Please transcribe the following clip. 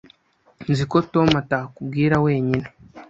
Nzi ko Tom atakubwira wenyine.